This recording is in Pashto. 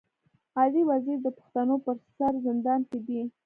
علي وزير د پښتنو پر سر زندان کي دی.